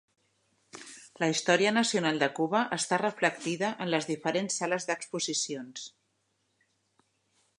La història nacional de Cuba, està reflectida en les diferents sales d'exposicions.